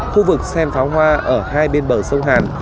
khu vực xem pháo hoa ở hai bên bờ sông hàn